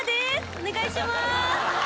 お願いしまーす。